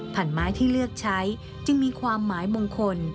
พันไม้ที่เลือกใช้จึงมีความหมายมงคล